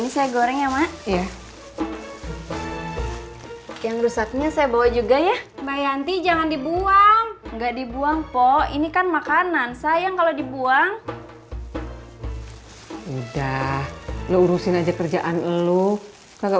sampai jumpa di video selanjutnya